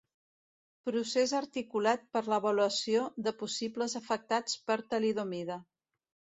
Procés articulat per a l'avaluació de possibles afectats per talidomida.